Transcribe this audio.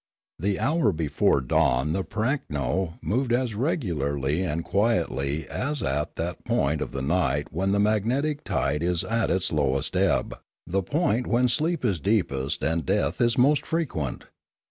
The hour before dawn the pirakno moved as regularly and quietly as at that point of the night when the magnetic tide is at its lowest ebb, the point when sleep is deepest and death is An Accident 347 most frequent.